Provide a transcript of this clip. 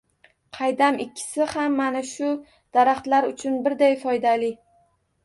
-Qaydam. Ikkisi ham mana shu daraxtlar uchun birday foydali.